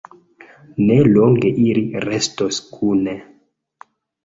Ne longe ili restos kune.